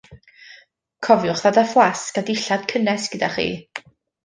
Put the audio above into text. Cofiwch ddod â fflasg a dillad cynnes gyda chi.